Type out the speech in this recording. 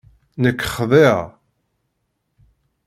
Nekk xḍiɣ.